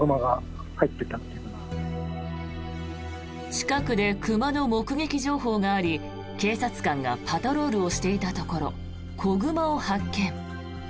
近くで熊の目撃情報があり警察官がパトロールをしていたところ子熊を発見。